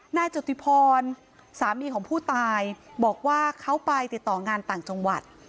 นายจุติพรสามีของผู้ตายบอกว่าเขาไปติดต่องานต่างจังหวัด